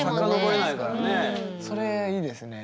それいいですね。